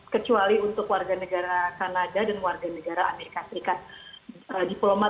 kecuali untuk warga negara kanada dan warga negara amerika serikat diplomat